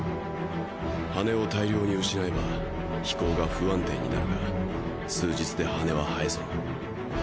羽を大量に失えば飛行が不安定になるが数日で羽は生え揃う。